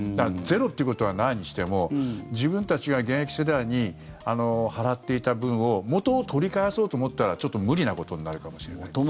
ゼロってことはないにしても自分たちが現役世代に払っていた分を元を取り返そうと思ったらちょっと無理なことになるかもしれない。